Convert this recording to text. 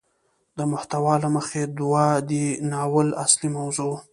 د محتوا له مخې ده دې ناول اصلي موضوع